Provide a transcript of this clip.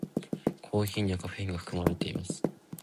コーヒーにはカフェインが含まれています。